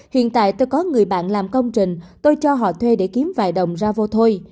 hiện tại tôi có người bạn làm công trình tôi cho họ thuê để kiếm vài đồng ra vô thôi